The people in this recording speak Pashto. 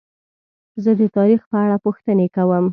زه د تاریخ په اړه پوښتنې کوم.